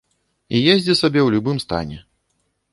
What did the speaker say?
І ездзі сабе ў любым стане.